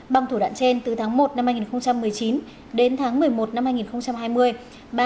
bằng thủ đoạn trên từ tháng một năm hai nghìn một mươi chín đến tháng một mươi một năm hai nghìn hai mươi